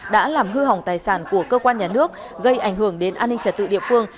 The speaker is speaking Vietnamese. đã làm hư hỏng tài sản của cơ quan nhà nước gây ảnh hưởng đến an ninh trật tự địa phương